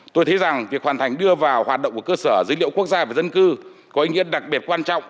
tôi thấy rằng việc hoàn thành đưa vào hoạt động của cơ sở dữ liệu quốc gia về dân cư có ý nghĩa đặc biệt quan trọng